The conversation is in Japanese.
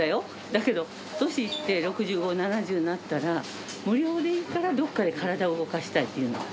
だけど、年いって、６０、７０になったら、無料でいいから、どこかで体を動かしたいっていうのが。